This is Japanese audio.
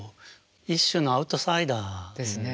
一種のアウトサイダー。ですね。